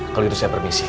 kalau itu saya permisi